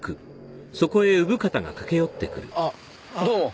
あっどうも。